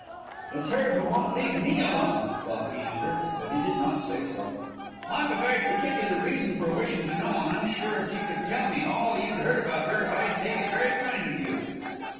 "It's her who won't leave me alone!" thought Leander; but he did not say so. "I've a very particular reason for wishing to know; and I'm sure if you could tell me all you'd heard about her, I'd take it very kind of you."